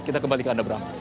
kita kembali ke anda bram